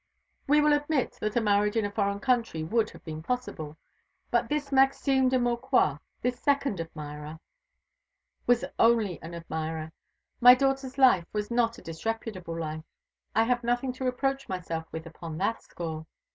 "We will admit that a marriage in a foreign country would have been possible. But this Maxime de Maucroix, this second admirer " "Was only an admirer. My daughter's life was not a disreputable life. I have nothing to reproach myself with upon that score."